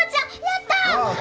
やった！